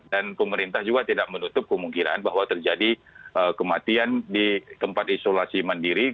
dan pemerintah juga tidak menutup kemungkinan bahwa terjadi kematian di tempat isolasi mandiri